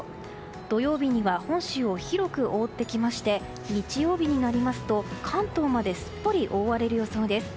土曜日には本州を広く覆ってきまして日曜日になりますと、関東まですっぽり覆われる予想です。